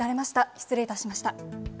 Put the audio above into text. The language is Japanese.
失礼いたしました。